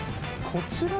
こちら。